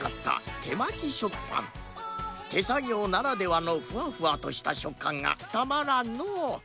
手作業ならではのフワフワとした食感がたまらんのう